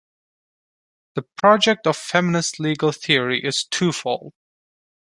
The project of feminist legal theory is twofold.